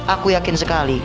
aku yakin sekali